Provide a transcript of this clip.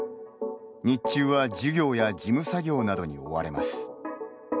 日中は授業や事務作業などに追われます。